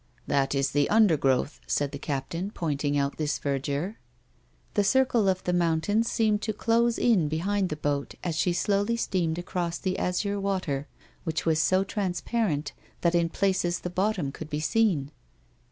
" That is the undergrowth," said the captain, pointing out this verdure. The circle of moimtains seemed to close in behind the boat as she slowly steamed across the azure water which was so transparent that in places the bottom could be seen.